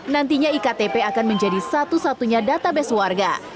nantinya iktp akan menjadi satu satunya database warga